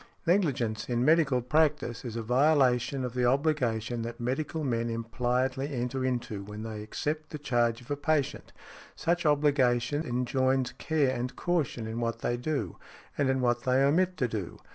|57| Negligence, in medical practice, is a violation of the obligation that medical men impliedly enter into when they accept the charge of a patient; such obligation enjoins care and caution in what they do, and in what they omit to do.